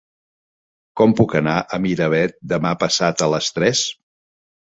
Com puc anar a Miravet demà passat a les tres?